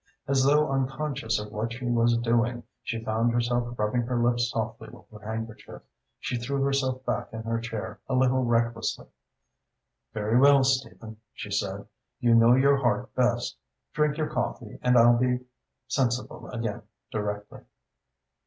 As though unconscious of what she was doing, she found herself rubbing her lips softly with her handkerchief. She threw herself back in her chair a little recklessly. "Very well, Stephen," she said, "you know your heart best. Drink your coffee and I'll be sensible again directly."